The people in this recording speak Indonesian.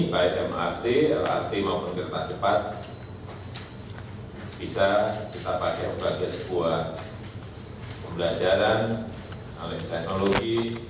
baik mrt lrt maupun kereta cepat bisa kita pakai sebagai sebuah pembelajaran analisis teknologi